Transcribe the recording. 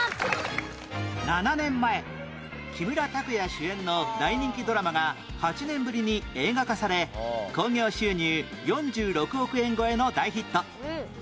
７年前木村拓哉主演の大人気ドラマが８年ぶりに映画化され興行収入４６億円超えの大ヒット